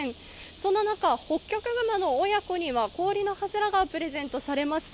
そんな中、ホッキョクグマの親子には、氷の柱がプレゼントされました。